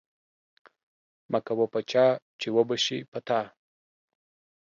مه کوه په چا، چی وبه شي په تا